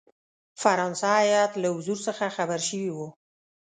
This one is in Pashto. فرانسه هیات له حضور څخه خبر شوی وو.